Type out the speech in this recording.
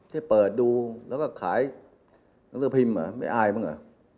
ที่เปิดดูแล้วก็ขายน้องเจ้าพิมพ์อ่ะไม่อายมั้งอ่ะ